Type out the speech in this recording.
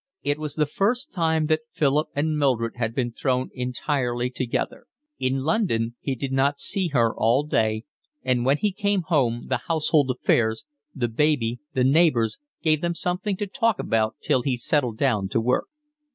It was the first time that Philip and Mildred had been thrown entirely together. In London he did not see her all day, and when he came home the household affairs, the baby, the neighbours, gave them something to talk about till he settled down to work.